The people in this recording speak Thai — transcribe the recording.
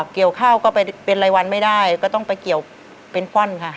เกี่ยวข้าวก็ไปเป็นรายวันไม่ได้ก็ต้องไปเกี่ยวเป็นคว่ำค่ะ